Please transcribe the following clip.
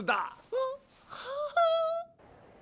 あっああ。